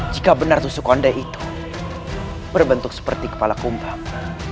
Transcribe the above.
jika benar tusuk konde itu berbentuk seperti kepala kumbang